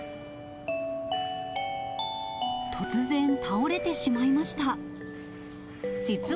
突然、倒れてしまいました。